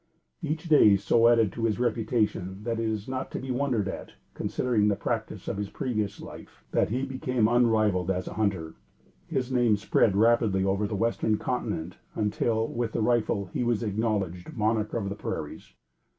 Each day so added to his reputation that it is not to be wondered at, considering the practice of his previous life, that he became unrivalled as a hunter. His name spread rapidly over the Western Continent until, with the rifle, he was the acknowledged "Monarch of the Prairies."